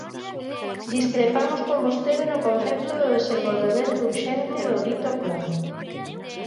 Discrepamos con vostede no concepto do desenvolvemento urxente do dito plan.